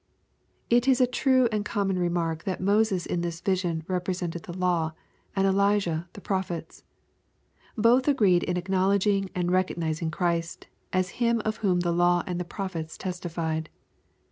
] It is a true and common remark that Moses in this vision represented the law, and Elijah the prophets. Both agreed in acknowledging and recognizing Christ, as Him of whom the law and the jJrophets testified.